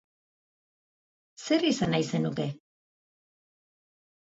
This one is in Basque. Zer izan nahi zenuke?